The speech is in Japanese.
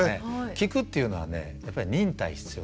聞くっていうのはねやっぱり忍耐必要です。